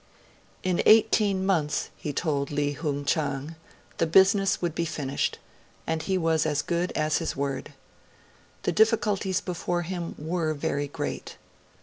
In eighteen months, he told Li Hung Chang, the business would be finished; and he was as good as his word. The difficulties before him were very great.